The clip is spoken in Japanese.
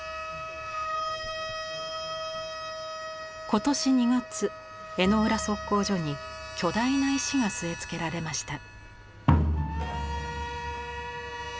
今年２月江之浦測候所に巨大な石が据え付けられました。